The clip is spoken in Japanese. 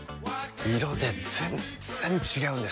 色で全然違うんです！